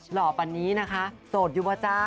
หล่อปันนี้นะคะโสดอยู่ป่ะจ้า